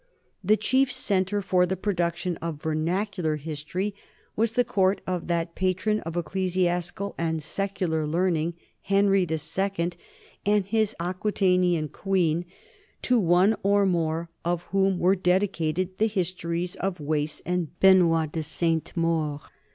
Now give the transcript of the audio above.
The chief centre for the production of vernacular history was the court of that patron of ecclesiastical and secular learning, Henry II, and his Aquitanian queen, to one or both of whom are dedicated the histories of Wace and Benoit de Sainte More.